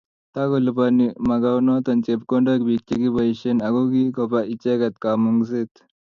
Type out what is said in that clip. Takolipani Makaonoto Chepkondok biik chekiboishei ako kikopa icheget Kamung'set